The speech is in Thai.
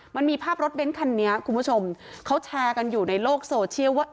มันมีภาพรถเบ้นคันนี้คุณผู้ชมเขาแชร์กันอยู่ในโลกโซเชียลว่า